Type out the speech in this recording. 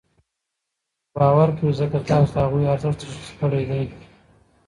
په خبرو مو باور کوي؛ ځکه تاسو د هغوی ارزښت تشخيص کړی دی